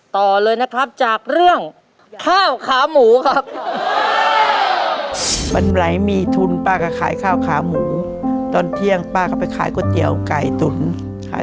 แต่ใกล้เคียงมากเลยนะ